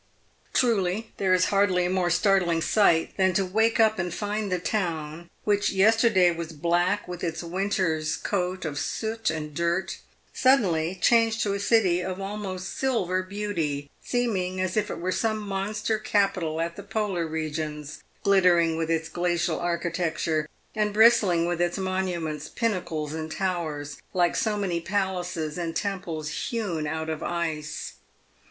Truly there is hardly a more startling sight than to wake up and find the town, which yesterday was black with its winter's coat of soot and dirt, suddenly changed to a city of almost silver beauty, seeming as if it were some monster capital at the Polar regions, glittering with its glacial architecture, and bristling with its monu ments, pinnacles, and towers, like so many palaces and temples hewn out of ice.